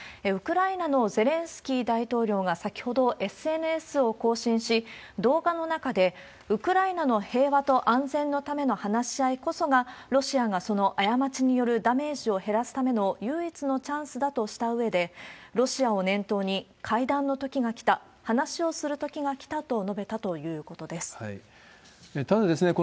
ウクライナのゼレンスキー大統領が先ほど、ＳＮＳを更新し、動画の中で、ウクライナの平和と安全のための話し合いこそが、ロシアがその過ちによるダメージを減らすための唯一のチャンスだとしたうえで、ロシアを念頭に会談のときが来た、話をするときが来たと述べたということです。